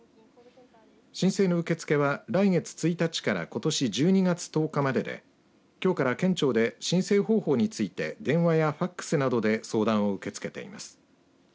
申請の受け付けは来月１日からことし１２月１０日までできょうから県庁で申請方法について電話やファックスなどで相談を受け付けています。